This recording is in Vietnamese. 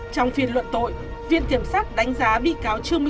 trong phiên luận tội viện kiểm sát đánh giá bị cáo trương mỹ lan